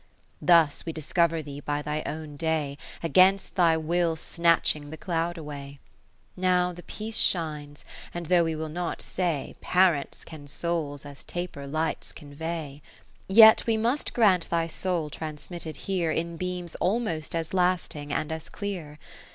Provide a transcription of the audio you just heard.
Thus we discover thee by thy own day, Against thy will snatching the cloud away. 10 Now the piece shines, and though we will not say, Parents can souls, as taper ^ lights, convey ; Yet we must grant thy soul trans mitted here In beams almost as lasting and as clear.